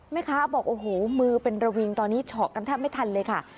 แม่ค้าบอกโอ้โหมือเป็นระวิงตอนนี้เฉาะกันแทบไม่ทันเลยค่ะ